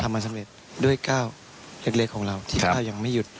มาสำเร็จด้วยก้าวเล็กของเราที่ถ้ายังไม่หยุด